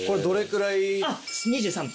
２３分？